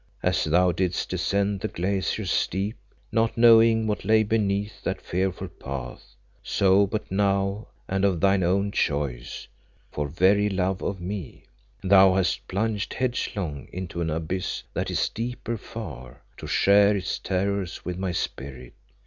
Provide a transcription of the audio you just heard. As thou didst descend the glacier's steep, not knowing what lay beneath that fearful path, so but now and of thine own choice, for very love of me, thou hast plunged headlong into an abyss that is deeper far, to share its terrors with my spirit.